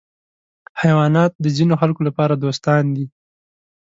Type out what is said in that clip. حیوانات د ځینو خلکو لپاره دوستان دي.